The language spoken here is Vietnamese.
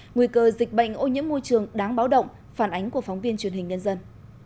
nguy cơ dịch bệnh ô nhiễm môi trường đáng báo động phản ánh của phóng viên truyền hình nhân dân